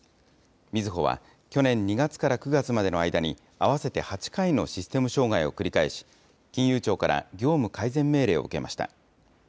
みずほは、去年２月から９月までの間に、合わせて８回のシステム障害を繰り返し、金融庁から業務改善命令を受けました。